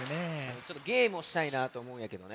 ちょっとゲームをしたいなとおもうんやけどね。